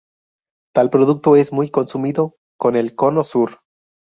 Tal producto es muy consumido en el Cono Sur.